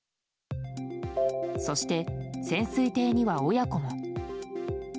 そして、潜水艇には親子も。